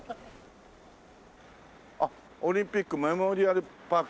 あっ「オリンピックメモリアルパーク」。